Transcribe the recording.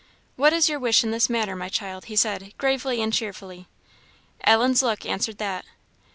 "What is your wish in this matter, my child?" he said, gravely and cheerfully. Ellen's look answered that.